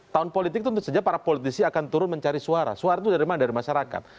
tahun politik itu tentu saja para politisi akan turun mencari suara suara itu dari mana dari masyarakat